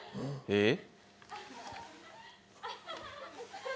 えっ？